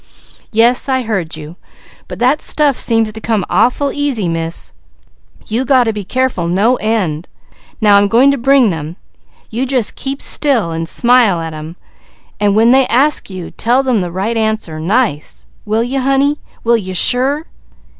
"Yes I heard you, but that stuff seems to come awful easy, Miss. You got to be careful no end. Now, I'm going to bring them. You just smile at them, and when they ask you, tell them the right answer nice. Will you honey? Will you _sure?